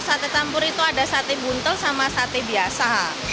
sate campur itu ada sate buntel sama sate biasa